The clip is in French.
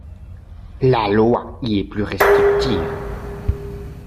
La loi y est plus restrictive.